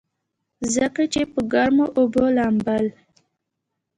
ځکه چې پۀ ګرمو اوبو لامبل